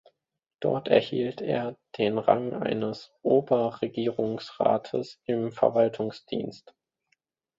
Dort erhielt er den Rang eines Oberregierungsrates im Verwaltungsdienst.